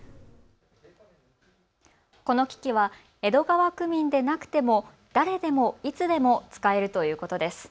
この機器は江戸川区民でなくても誰でもいつでも使えるということです。